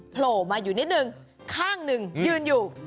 โผล่มาอยู่นิดนึงข้างหนึ่งยืนอยู่